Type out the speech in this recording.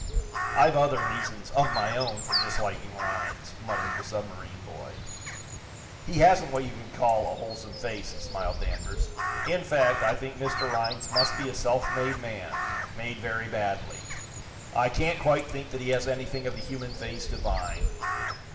"I've other reasons, of my own, for disliking Rhinds," muttered the submarine boy. "He hasn't what you could call a wholesome face," smiled Danvers. "In fact, I think Mr. Rhinds must be a self made man, made very badly. I can't quite think that he has anything of the human face divine."